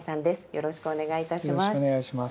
よろしくお願いします。